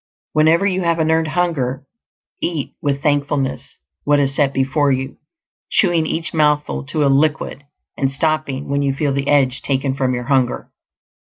Whenever you have an earned hunger, eat with thankfulness what is set before you, chewing each mouthful to a liquid, and stopping when you feel the edge taken from your hunger.